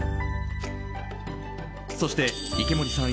そして、池森さん